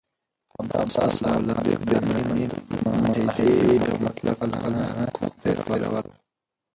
هابس او لاک د عمراني معاهدې او مطلق العنانه حکومت پیر ول.